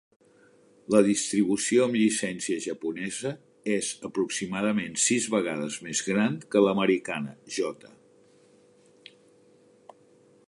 La distribució amb llicència japonesa és aproximadament sis vegades més gran que l'americana J.